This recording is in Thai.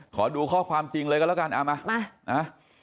ขอดูข้อความจริงเลยก็แล้วกันเอามามานะ